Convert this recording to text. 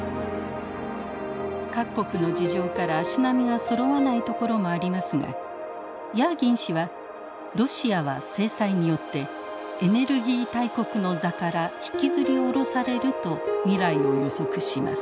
各国の事情から足並みがそろわないところもありますがヤーギン氏はロシアは制裁によってエネルギー大国の座から引きずり降ろされると未来を予測します。